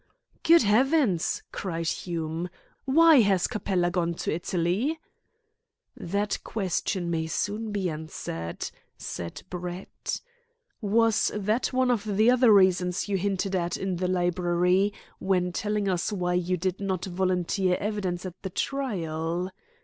"Good Heavens!" cried Hume, "why has Capella gone to Italy?" "That question may soon be answered," said Brett. "Was that one of the other reasons you hinted at in the library when telling us why you did not volunteer evidence at the trial?"